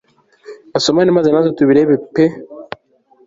Basomane maze natwe tubirebe pe